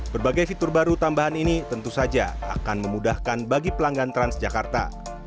berbagai fitur baru tambahan ini tentu saja akan memudahkan bagi pelanggan transjakarta